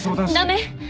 駄目